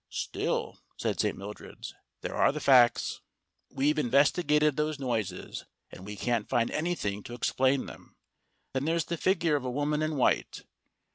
"Still," said St. Mildred's, "there are the facts. We've investigated those noises, and we can't find anything to explain them. Then there's the figure of a woman in white.